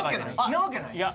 なわけない？